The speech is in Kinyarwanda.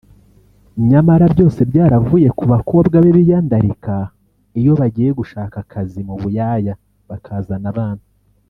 nyamara byose byaravuye ku bakobwa be biyandarika iyo bagiye gushaka akazi mu buyaya bakazana abana